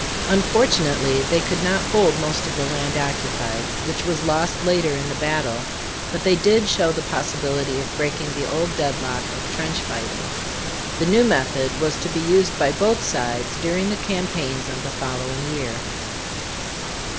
Unfortunately they could not hold most of the land occupied, which was lost later in the battle, but they did show the possibility of breaking the old deadlock of trench righting. The new method was to be used by both sides during the campaigns of the following year.